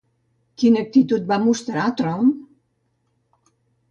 Quina actitud va mostrar Trump?